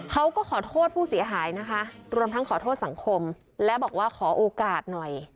เขาก็ขอโทษผู้เสียหายนะคะรวมทั้งขอโทษสังคมและบอกว่าขอโอกาสหน่อย